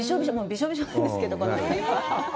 びしょびしょなんですけど。